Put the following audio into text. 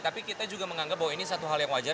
tapi kita juga menganggap bahwa ini satu hal yang wajar